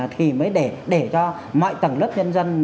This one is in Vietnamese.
thì mới để cho mọi tầng lớp nhân dân